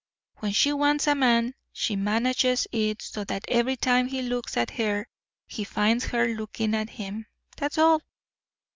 When she wants a man, she manages it so that every time he looks at her he finds her looking at him. That's all.